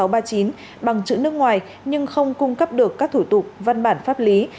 bằng chữ nước ngoài nhưng không cung cấp được các thủ tục văn bản pháp lý